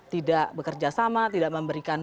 tidak bekerjasama tidak memberikan